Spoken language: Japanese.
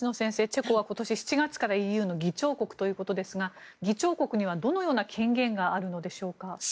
チェコは今年７月からＥＵの議長国ということですが議長国にはどのような権限があるのでしょうか。